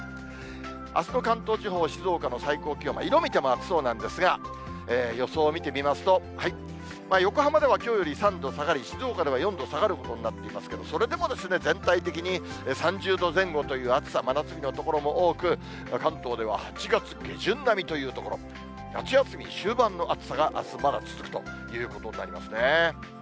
あすの関東地方、静岡の最高気温は色見ても暑そうなんですが、予想を見てみますと、横浜ではきょうより３度下がり、静岡では４度下がることになっていますけれども、それでも全体的に３０度前後という暑さ、真夏日の所も多く、関東では８月下旬並みという所、夏休み終盤の暑さがあすまだ続くということになりますね。